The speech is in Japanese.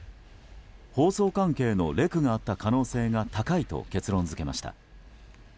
放送関係のレクがあった可能性が高いと結論付けました。